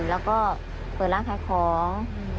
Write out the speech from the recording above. แล้วก็เปิดร่างแพทย์ของ